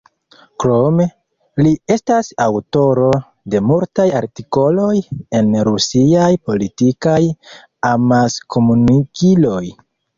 Krome, li estas aŭtoro de multaj artikoloj en rusiaj politikaj amaskomunikiloj.